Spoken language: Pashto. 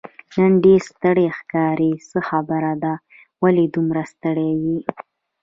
نن ډېر ستړی ښکارې، څه خبره ده، ولې دومره ستړی یې؟